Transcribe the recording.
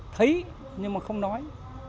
thấy nhưng mà không nói